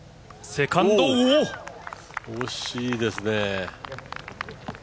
惜しいですね。